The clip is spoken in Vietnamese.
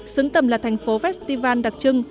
xứng tầm là thành phố festival đặc trưng